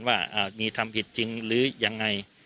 ว่ามีทำผิดจริงหรือยังไง